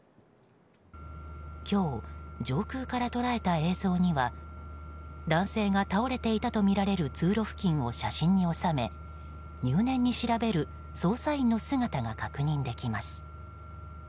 今日、上空から捉えた映像には男性が倒れていたとみられる通路付近を写真に収め入念に調べる捜査員の姿が確認できます。